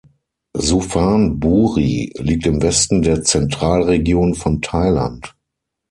Suphan Buri liegt im Westen der Zentralregion von Thailand.